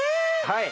はい。